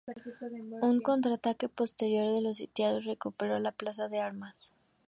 Un contraataque posterior de los sitiados recuperó la Plaza de Armas.